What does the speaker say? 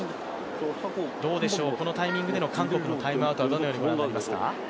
このタイミングでの韓国でのタイムアウトはどのようにご覧になりますか。